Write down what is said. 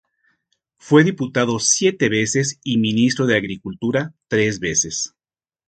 Fue diputado siete veces y Ministro de Agricultura tres veces.